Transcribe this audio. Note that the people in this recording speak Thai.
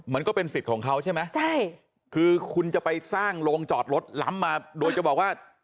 มันก็เป็นสิทธิ์ของเขาใช่ไหมใช่คือคุณจะไปสร้างโรงจอดรถล้ำมาโดยจะบอกว่า